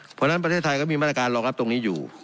เพราะฉะนั้นประเทศไทยก็มีมาตรการรองรับตรงนี้อยู่